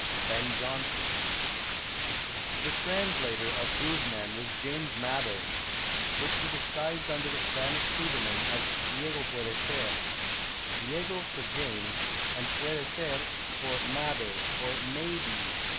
BEN JONSON. The translator of Guzman was James Mabbe, which he disguised under the Spanish pseudonym of Diego Puede ser; Diego for James, and Puede ser for Mabbe or May be!